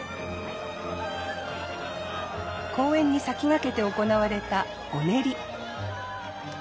公演に先駆けて行われたお練り。